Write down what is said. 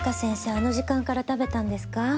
あの時間から食べたんですか？